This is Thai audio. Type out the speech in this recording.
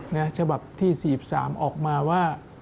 ฉบับที่๔๓ออกมาว่า